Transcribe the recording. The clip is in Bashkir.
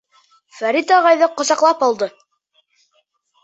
Фәрит ағайҙы ҡосаҡлап алды: